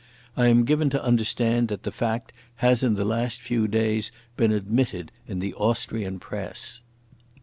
I am given to understand that the fact has in the last few days been admitted in the Austrian Press."